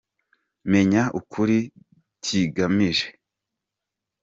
Menya ukuri kigamije